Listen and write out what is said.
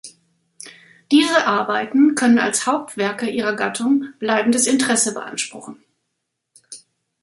Diese Arbeiten können als Hauptwerke ihrer Gattung bleibendes Interesse beanspruchen.